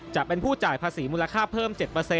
จะเป็นผู้จ่ายภาษีมูลค่าเพิ่ม๗